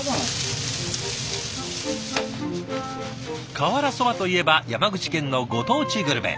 瓦そばといえば山口県のご当地グルメ。